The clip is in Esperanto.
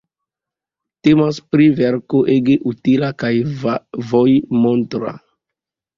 Temas pri verko ege utila kaj vojmontra.